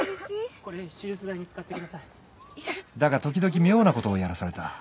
これ手術代に使ってくださいだが時々妙なことをやらされた。